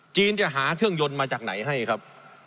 จะหาเครื่องยนต์มาจากไหนให้ครับ